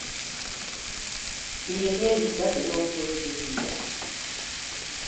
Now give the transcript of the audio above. Il y réalisa de nombreuses villas.